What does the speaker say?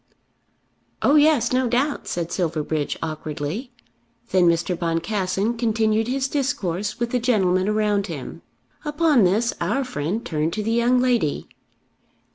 "Oh yes, no doubt," said Silverbridge awkwardly. Then Mr. Boncassen continued his discourse with the gentlemen around him. Upon this our friend turned to the young lady.